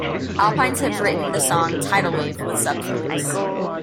Alpines have written the song "Tidal Wave" with Sub Focus.